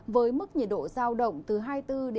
với mức nhiệt độ giảm nền nhiệt sẽ tăng trở lại